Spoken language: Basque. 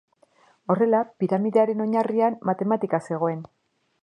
Horrela, piramidearen oinarrian matematika zegoen.